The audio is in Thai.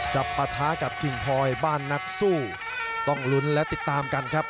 ปะท้ากับกิ่งพลอยบ้านนักสู้ต้องลุ้นและติดตามกันครับ